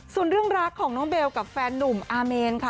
ส่วนเรื่องรักของน้องเบลกับแฟนนุ่มอาเมนค่ะ